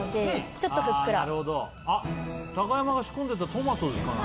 高山が仕込んでたトマトですかね？